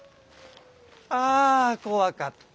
ああ怖かった！